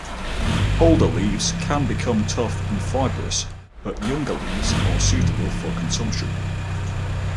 Older leaves can become tough and fibrous, but younger leaves are suitable for consumption.